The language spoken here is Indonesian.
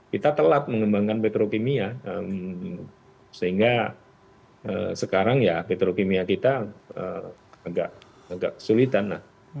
kita telat mengembangkan petrokimia sehingga sekarang ya petrokimia kita agak kesulitan